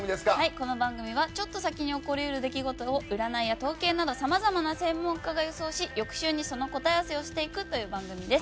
この番組はちょっと先に起こり得る出来事を占いや統計などさまざまな専門家が予想し翌週にその答え合わせをしていくという番組です。